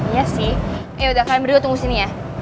ya udah kalian berdua tunggu sini ya